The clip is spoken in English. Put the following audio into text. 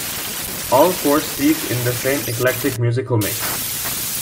All four steeped in the same eclectic musical mix.